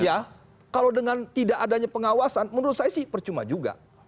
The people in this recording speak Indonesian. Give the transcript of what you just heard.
ya kalau dengan tidak adanya pengawasan menurut saya sih percuma juga